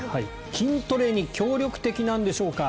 筋トレに協力的なのでしょうか